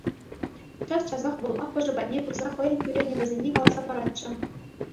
Час-часах вӑл аппӑшӗ патне пырса хӑйӗн кӳренӗвӗсене каласа паратчӗ.